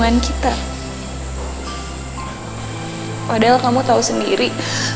padahal kamu tau sendiri